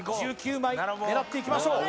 １９枚狙っていきましょう・